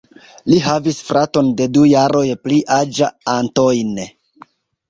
Li havis fraton de du jaroj pli aĝa, Antoine.